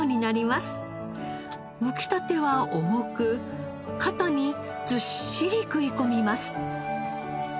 むきたては重く肩にずっしり食い込みます。